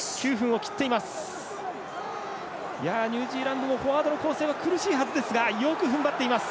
ニュージーランドもフォワードの構成は苦しいはずですがよくふんばっています。